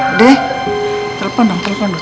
udah telepon dong telepon dong